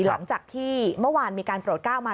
หลังจากที่เมื่อวานมีการโปรดก้าวมา